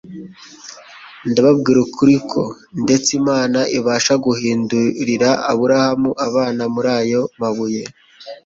ndababwira ukuri ko ndetse Imana ibasha guhindurira Aburahamu abana muri aya mabuye.»